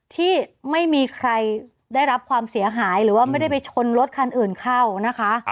ที่ไม่มีใครได้รับความเสียหายหรือว่าไม่ได้ไปชนรถคันอื่นเข้านะคะ